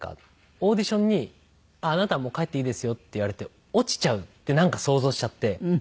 オーディションに「あなたもう帰っていいですよ」って言われて落ちちゃうってなんか想像しちゃって。